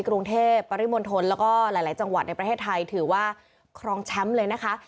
กรุงเทพปริมณฑลแล้วก็หลายจังหวัดในประเทศไทยถือว่าครองแชมป์เลยนะคะ